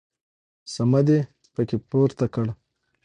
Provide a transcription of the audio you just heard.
صمد يې په کې پورته کړ.